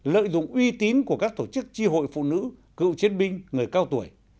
lợi dụng uy tín của các tổ chức tri hội phụ nữ cựu chiến binh người cao tuổi